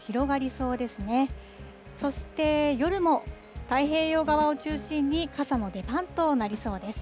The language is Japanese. そして、夜も太平洋側を中心に、傘の出番となりそうです。